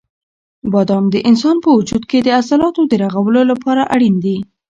بادام د انسان په وجود کې د عضلاتو د رغولو لپاره اړین دي.